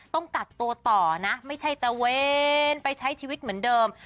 ต้องกักตัวต่อนะไม่ใช่ตะเวนไปใช้ชีวิตเหมือนเดิม